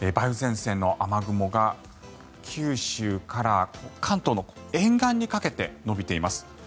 梅雨前線の雨雲が九州から関東の沿岸にかけて延びています。